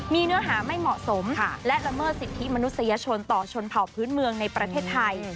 มีเนื้อหาไม่เหมาะสมและละเมิดสิทธิมนุษยชนต่อชนเผ่าพื้นเมืองในประเทศไทย